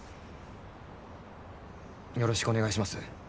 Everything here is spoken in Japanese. よろしくお願いします